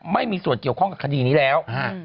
ไม่มีส่วนเกี่ยวข้องกับคดีนี้แล้ว